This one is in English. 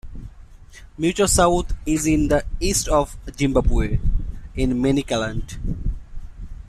Mutare South is in the East of Zimbabwe, in Manicaland.